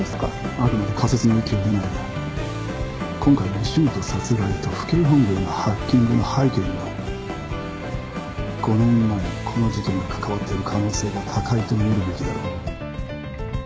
あくまで仮説の域を出ないが今回の石本殺害と府警本部へのハッキングの背景には５年前のこの事件が関わっている可能性が高いと見るべきだろう。